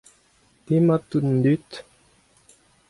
demat tout an dud.